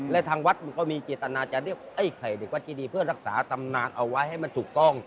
และทางวัดมันก็มีเจตนาจะเรียกไอ้ไข่เด็กวัดเจดีเพื่อรักษาตำนานเอาไว้ให้มันถูกต้อง